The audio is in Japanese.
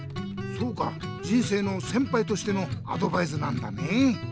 そうか人生の先ぱいとしてのアドバイスなんだね！